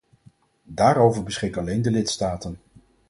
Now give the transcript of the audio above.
Daarover beschikken alleen de lidstaten.